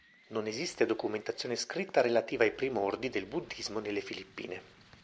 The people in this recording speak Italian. Non esiste documentazione scritta relativa ai primordi del buddhismo nelle Filippine.